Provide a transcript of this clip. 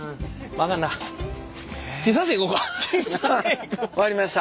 分かりました。